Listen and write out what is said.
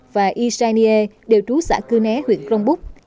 và yishanye đều trú xã cư né huyện grongbuc